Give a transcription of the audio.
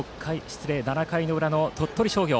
７回の裏の鳥取商業。